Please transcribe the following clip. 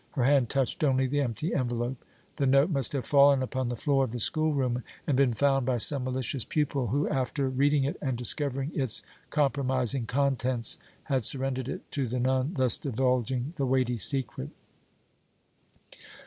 Her hand touched only the empty envelope. The note must have fallen upon the floor of the school room and been found by some malicious pupil, who, after reading it and discovering its compromising contents, had surrendered it to the nun, thus divulging the weighty secret.